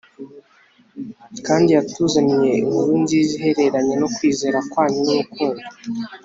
kandi yatuzaniye inkuru nziza ihereranye no kwizera kwanyu n urukundo